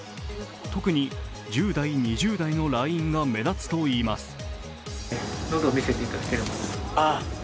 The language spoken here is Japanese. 特に１０代、２０代の来院が目立つといいます。